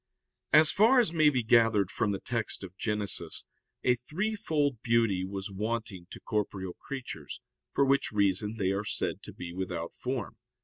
As far as may be gathered from the text of Genesis a threefold beauty was wanting to corporeal creatures, for which reason they are said to be without form.